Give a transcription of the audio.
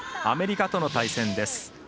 アメリカとの対戦です。